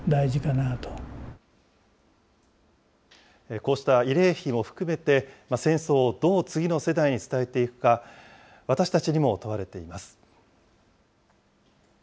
こうした慰霊碑も含めて、戦争をどう次の世代に伝えていくか、私たちにも問われています。